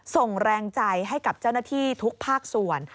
ส่งแรงใจให้กับเจ้าหน้าที่ทุกภาคส่วน